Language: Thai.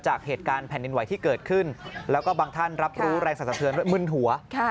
จากเหตุการณ์แผ่นดินไหวที่เกิดขึ้นแล้วก็บางท่านรับรู้แรงสรรสะเทือนด้วยมึนหัว